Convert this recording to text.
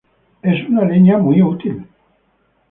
Es una leña muy útil.